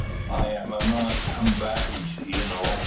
"I am a non combatant, you know.